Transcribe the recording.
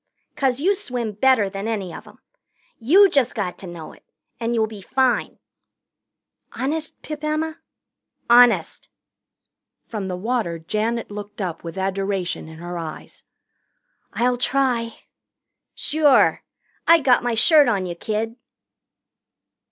'Cause you swim better than any of 'em. You just got to know it, and you'll be fine." "Honest, Pip Emma?" "Honest." From the water Janet looked up with adoration in her eyes. "I'll try." "Sure. I got my shirt on you, kid."